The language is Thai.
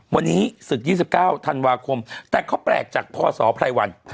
วันนี้ศึก๒๙ธันวาคมแต่เขาแปลกจากพศไพรวัน